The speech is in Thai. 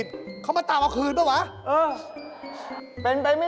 ทำไมมาเหม็นอย่างนี้